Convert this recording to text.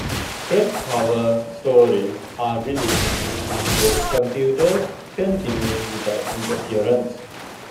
Press cover stories are released, and both computers continue without interference.